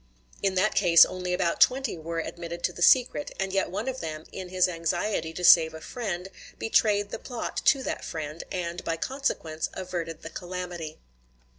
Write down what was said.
In that ease, only about twenty were admitted to the secret; and yet one of them, in his anxiety to save a friend, betrayed the plot to that friend, and, by consequence, averted the calamity.